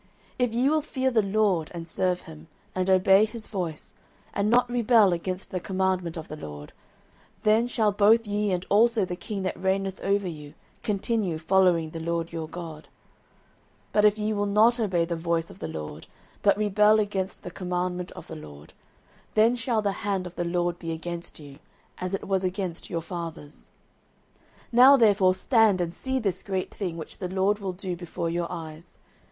09:012:014 If ye will fear the LORD, and serve him, and obey his voice, and not rebel against the commandment of the LORD, then shall both ye and also the king that reigneth over you continue following the LORD your God: 09:012:015 But if ye will not obey the voice of the LORD, but rebel against the commandment of the LORD, then shall the hand of the LORD be against you, as it was against your fathers. 09:012:016 Now therefore stand and see this great thing, which the LORD will do before your eyes.